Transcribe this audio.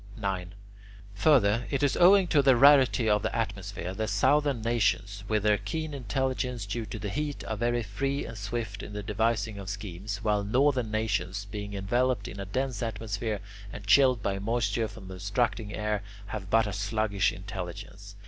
9. Further, it is owing to the rarity of the atmosphere that southern nations, with their keen intelligence due to the heat, are very free and swift in the devising of schemes, while northern nations, being enveloped in a dense atmosphere, and chilled by moisture from the obstructing air, have but a sluggish intelligence.